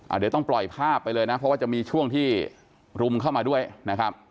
เดี๋ยวต้องปล่อยภาพไปเลยนะเพราะว่าจะมีช่วงที่รุมเข้ามาด้วยนะครับ